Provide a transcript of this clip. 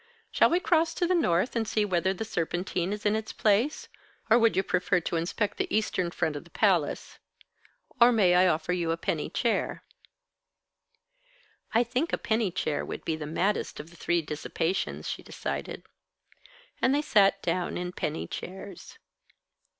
Shall we cross to the north, and see whether the Serpentine is in its place? Or would you prefer to inspect the eastern front of the Palace? Or may I offer you a penny chair?" "I think a penny chair would be the maddest of the three dissipations," she decided. And they sat down in penny chairs.